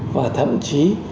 và thậm chí